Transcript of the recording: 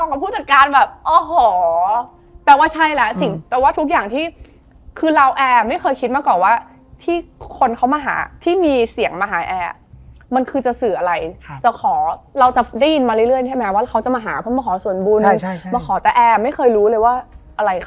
เข้าไปเยอะขนาดเนี้ยเดี๋ยวลิฟต์ก็ตกหรอก